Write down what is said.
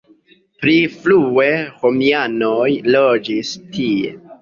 Pri frue romianoj loĝis tie.